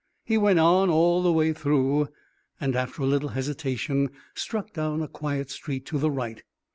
He went on, all the way through, and after a little hesitation struck down a quiet street to the right.